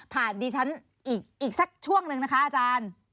ดิฉันอีกสักช่วงหนึ่งนะคะอาจารย์